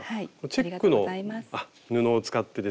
チェックの布を使ってですね